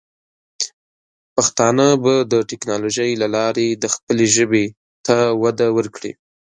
پښتانه به د ټیکنالوجۍ له لارې د خپلې ژبې ته وده ورکړي.